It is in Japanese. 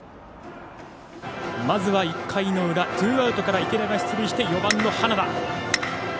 まずは１回の裏、ツーアウトから池田が出塁して、４番、花田。